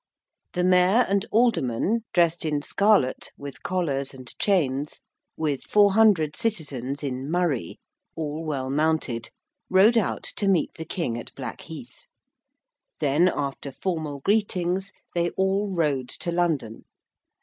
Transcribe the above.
The Mayor and Aldermen, dressed in scarlet, with collars and chains, with 400 citizens in 'murrey,' all well mounted, rode out to meet the King at Blackheath. Then, after formal greetings, they all rode to London.